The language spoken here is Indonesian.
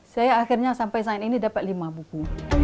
saya akhirnya sampai saat ini dapat lima buku